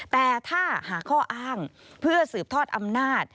แต่ถ้าหาข้ออ้างเพื่อสืบทอดอำนาจ